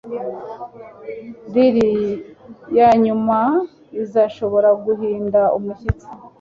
Lili yanyuma izashobora guhinda umushyitsi